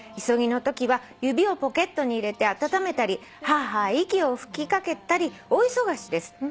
「急ぎのときは指をポケットに入れて温めたりハァハァ息を吹きかけたり大忙しです」